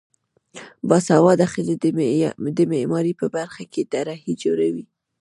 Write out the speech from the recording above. باسواده ښځې د معماری په برخه کې طرحې جوړوي.